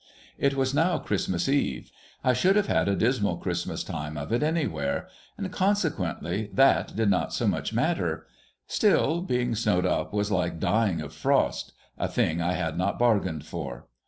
It was now Christmas eve. I should have had a dismal Christmas time of it anywhere, and consequently that did not so much matter ; still, being snowed up was like dying of frost, a thing I had not bargained for.